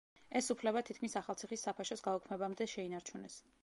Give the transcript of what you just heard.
ეს უფლება თითქმის ახალციხის საფაშოს გაუქმებამდე შეინარჩუნეს.